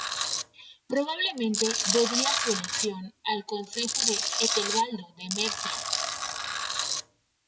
Probablemente debía su elección al consejo de Ethelbaldo de Mercia.